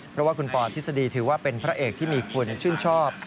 เพราะว่าคุณปอทฤษฎีถือว่าเป็นพระเอกที่มีคุณชื่นชอบ